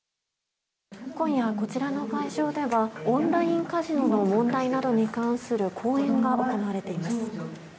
今夜こちらの会場ではオンラインカジノの問題などに関する講演が行われています。